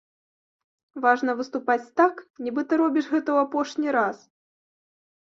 Важна выступаць так, нібыта робіш гэта ў апошні раз.